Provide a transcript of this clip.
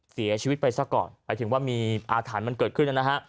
เสียชีวิตไปซะก่อนไปถึงว่ามีอาฐานมันเกิดขึ้นแล้วนะฮะ